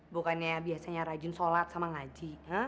bukannya biasanya rajin sholat sama ngaji